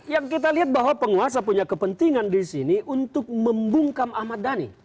yang kita lihat bahwa penguasa punya kepentingan di sini untuk membungkam ahmad dhani